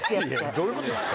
どういうことですか？